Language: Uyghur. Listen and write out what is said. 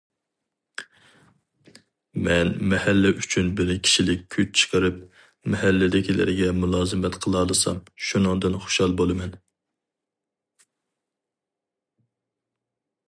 مەن مەھەللە ئۈچۈن بىر كىشىلىك كۈچ چىقىرىپ، مەھەللىدىكىلەرگە مۇلازىمەت قىلالىسام، شۇنىڭدىن خۇشال بولىمەن.